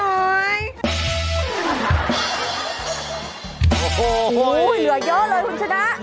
โอ้ยเหลือเน้อเลยคุณชนะ